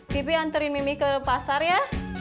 pi pi anterin mimi ke pasar ya